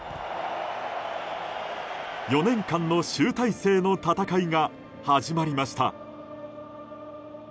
４年間の集大成の戦いが始まりました。